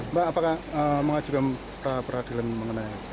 mbak apakah mengajukan peradilan mengenai